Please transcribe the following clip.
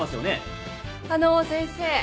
あの先生